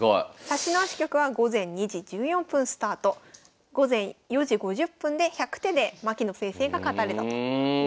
指し直し局は午前２時１４分スタート午前４時５０分で１００手で牧野先生が勝たれたということです。